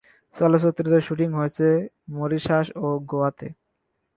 চলচ্চিত্রটির শুটিং হয়েছে মরিশাস ও গোয়াতে।